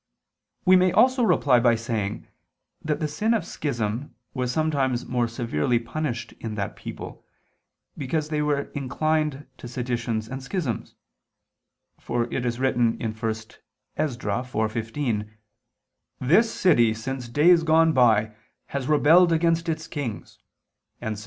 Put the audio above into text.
We may also reply by saying that the sin of schism was sometimes more severely punished in that people, because they were inclined to seditions and schisms. For it is written (1 Esdra 4:15): "This city since days gone by has rebelled against its kings: and seditions and wars were raised therein [*Vulg.